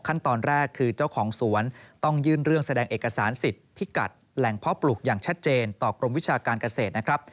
ขั้นตอนแรกคือเจ้าของสวนต้องยื่นเรื่องแสดงเอกสารสิทธิ์พิกัดแหล่งเพาะปลูกอย่างชัดเจนต่อกรมวิชาการเกษตรนะครับ